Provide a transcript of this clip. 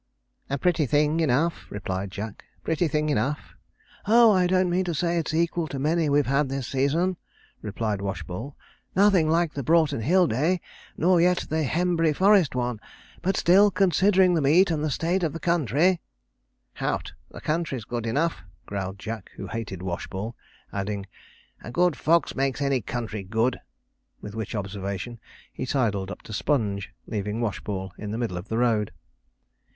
'A pretty thing enough,' replied Jack, 'pretty thing enough.' 'Oh, I don't mean to say it's equal to many we've had this season,' replied Washball; 'nothing like the Boughton Hill day, nor yet the Hembury Forest one; but still, considering the meet and the state of the country ' 'Hout! the country's good enough,' growled Jack, who hated Washball; adding, 'a good fox makes any country good'; with which observation he sidled up to Sponge, leaving Washball in the middle of the road.